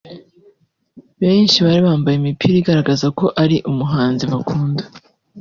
Benshi bari bambaye imipira igaragaza ko ari umuhanzi bakunda